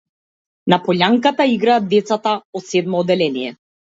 На полјанката играат децата од седмо одделение.